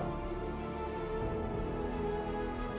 เพราะทุกลมหายใจ